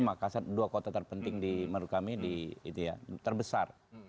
makassar dua kota terpenting di menurut kami di terbesar